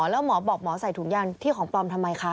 แล้วหมอบอกหมอใส่ถุงยางที่ของปลอมทำไมคะ